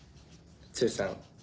剛さん。